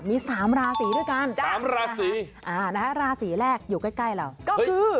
มี๓ราศีด้วยกันนะฮะนะฮะราศีแรกอยู่ใกล้เราก็คือ